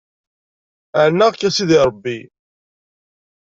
Ɛennaɣ-k a sidi Ṛebbi.